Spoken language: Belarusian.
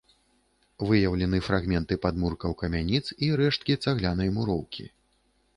Выяўлены фрагменты падмуркаў камяніц і рэшткі цаглянай муроўкі.